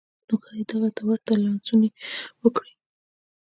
نو ښايي چې دغه ته ورته لمسونې وکړي.